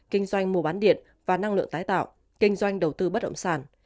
kinh doanh mùa bán điện và năng lượng tái tạo kinh doanh đầu tư bất động sản